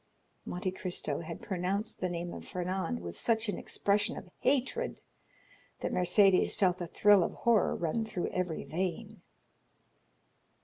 Monte Cristo had pronounced the name of Fernand with such an expression of hatred that Mercédès felt a thrill of horror run through every vein.